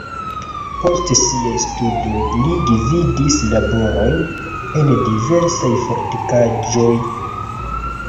Post siaj studoj li gvidis laborojn en diversaj fortikaĵoj.